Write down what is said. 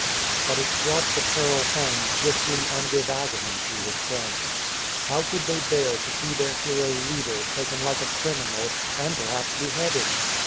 But it brought the peril home swiftly and with agony to his friends. How could they bear to see their hero leader taken like a criminal, and perhaps beheaded